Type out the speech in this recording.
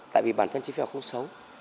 tại vì bản thân trí pheo không xấu